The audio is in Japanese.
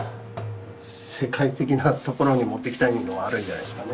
世界的なところに持っていきたいのはあるんじゃないですかね。